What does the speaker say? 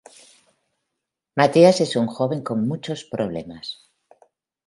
Mathias es un joven con muchos problemas.